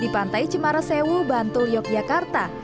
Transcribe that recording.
pantai cemara sewu bantul yogyakarta